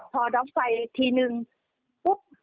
พอดับไฟทีหนึ่งปุ๊บ